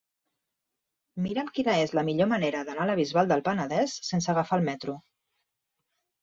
Mira'm quina és la millor manera d'anar a la Bisbal del Penedès sense agafar el metro.